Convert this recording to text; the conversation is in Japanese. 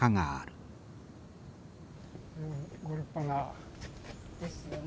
ご立派な。ですよね。